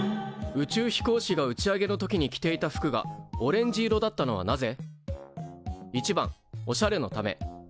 宇宙飛行士が打ち上げの時に着ていた服がオレンジ色だったのはなぜ？